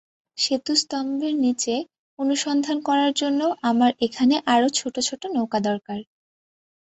সেতু স্তম্ভের নিচে অনুসন্ধান করার জন্য আমার এখানে আরও ছোট ছোট নৌকা দরকার।